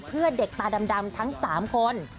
เพื่อเด็กตาดำทั้ง๓คน